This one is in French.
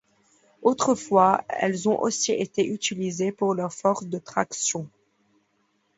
Autrefois, elles ont aussi été utilisées pour leur force de traction.